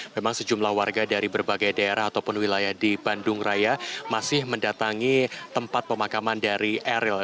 memang sejumlah warga dari berbagai daerah ataupun wilayah di bandung raya masih mendatangi tempat pemakaman dari eril